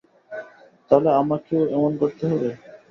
তাহলে আমাকে ও এমন করতে হবে?